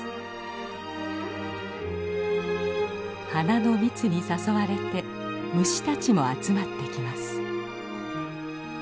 花の蜜に誘われて虫たちも集まってきます。